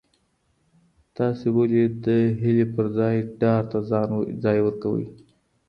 تاسي ولي د هیلې پر ځای ډار ته ځای ورکوئ؟